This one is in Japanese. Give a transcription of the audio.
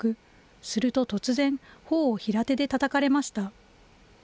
すると突然、ほおを平手でたたかれました。